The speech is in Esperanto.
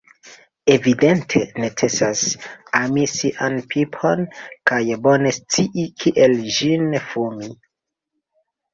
Evidente, necesas ami sian pipon kaj bone scii kiel ĝin fumi...